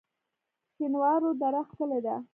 شینوارو دره ښکلې ده؟